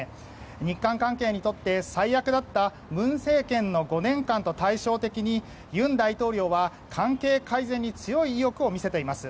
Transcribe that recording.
日韓関係にとって最悪だった文政権の５年間と対照的に尹大統領は関係改善に強い意欲を見せています。